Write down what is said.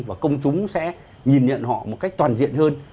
và công chúng sẽ nhìn nhận họ một cách toàn diện hơn